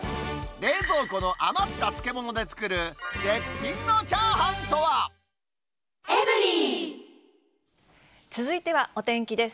冷蔵庫の余った漬物で作る絶続いてはお天気です。